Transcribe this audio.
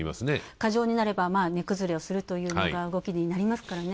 過剰になれば値崩れする動きになりますからね。